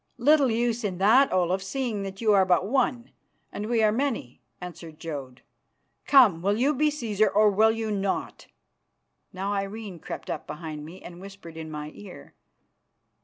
"Little use in that, Olaf, seeing that you are but one and we are many," answered Jodd. "Come, will you be Cæsar, or will you not?" Now Irene crept up behind me and whispered in my ear.